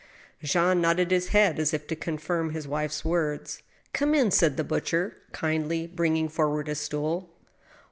Jean nodded his head as if to confirm his wife's words. " Come in," said the butcher, kindly, bringing forward a stool.